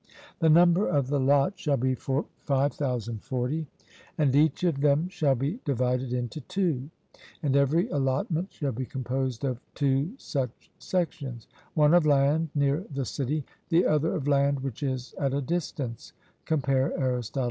The number of the lots shall be 5040, and each of them shall be divided into two, and every allotment shall be composed of two such sections; one of land near the city, the other of land which is at a distance (compare Arist.